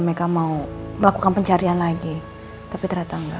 mereka mau melakukan pencarian lagi tapi ternyata enggak